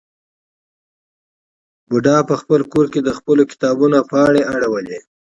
بوډا په خپل کور کې د خپلو کتابونو پاڼې اړولې.